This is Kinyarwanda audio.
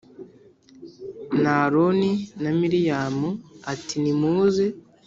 na Aroni na Miriyamu ati nimuze